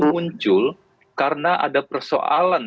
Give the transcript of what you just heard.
muncul karena ada persoalan